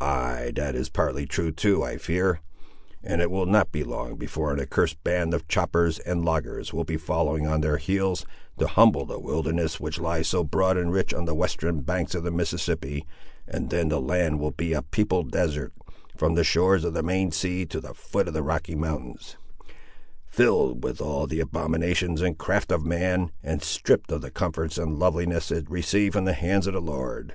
"Ay, that is partly true, too, I fear; and it will not be long before an accursed band of choppers and loggers will be following on their heels, to humble the wilderness which lies so broad and rich on the western banks of the Mississippi, and then the land will be a peopled desert, from the shores of the main sea to the foot of the Rocky Mountains; fill'd with all the abominations and craft of man, and stript of the comforts and loveliness it received from the hands of the Lord!"